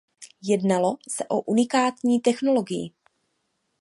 Jednalo se o unikátní technologii.